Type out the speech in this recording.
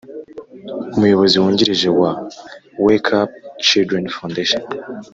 umuyobozi wungirije wa Wake Up Children Foundation